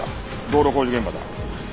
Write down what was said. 道路工事現場だ。